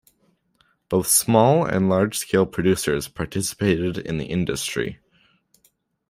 Both small- and large-scale producers participated in the industry.